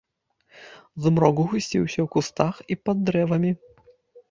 Змрок гусціўся ў кустах і пад дрэвамі.